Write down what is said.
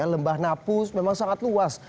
lembah napus memang sangat luas